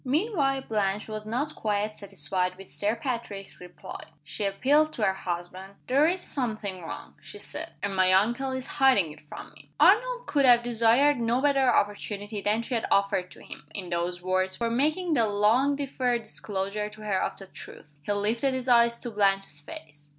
Meanwhile, Blanche was not quite satisfied with Sir Patrick's reply. She appealed to her husband. "There is something wrong," she said "and my uncle is hiding it from me." Arnold could have desired no better opportunity than she had offered to him, in those words, for making the long deferred disclosure to her of the truth. He lifted his eyes to Blanche's face.